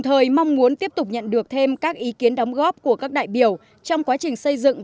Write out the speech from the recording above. tại vì mình cũng là cô giáo